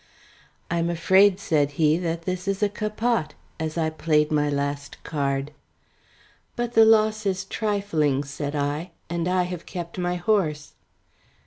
"I am afraid," said he, "that this is a capote," as I played my last card. "But the loss is trifling," said I, "and I have kept my horse."